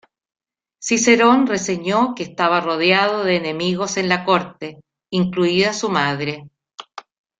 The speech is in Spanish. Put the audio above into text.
Cicerón reseñó que estaba rodeado de enemigos en la corte, incluida su madre.